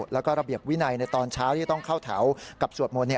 แล้วก็ระเบียบวินัยในตอนเช้าที่ต้องเข้าแถวกับสวดมนต์